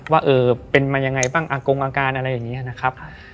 ว่าเออเป็นมายังไงบ้างอากงอาการอะไรอย่างนี้นะครับ